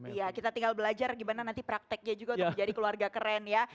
iya kita tinggal belajar gimana nanti prakteknya juga untuk menjadi keluarga keren ya